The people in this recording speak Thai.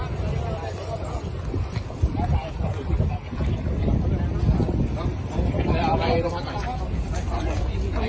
ขอบคุณทุกคนที่กดสิทธิ์